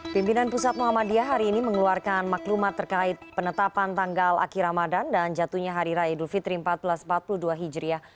pimpinan pusat muhammadiyah hari ini mengeluarkan maklumat terkait penetapan tanggal akhir ramadan dan jatuhnya hari raya idul fitri seribu empat ratus empat puluh dua hijriah